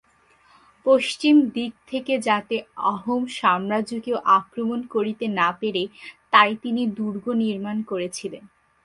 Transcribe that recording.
পশ্চিম দিক থেকে যাতে আহোম সাম্রাজ্য কেউ আক্রমণ করিতে না পেরে তাই তিনি দুর্গ নির্মাণ করেছিলেন।